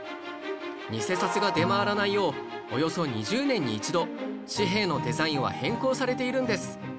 偽札が出回らないようおよそ２０年に一度紙幣のデザインは変更されているんです